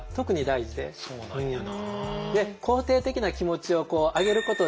そうなんやなあ。